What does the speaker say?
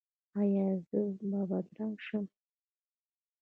ایا زه به بدرنګه شم؟